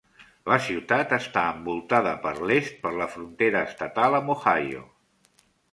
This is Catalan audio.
La ciutat està envoltada per l'est per la frontera estatal amb Ohio.